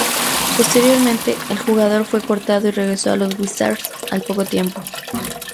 Posteriormente, el jugador fue cortado y regresó a los Wizards al poco tiempo.